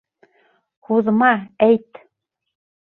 Һуҙма, әйт!